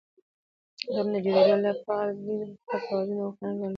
د ټولني د جوړېدو له پاره دین، اخلاق، رواجونه او قانون رول لري.